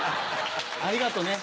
ありがとね。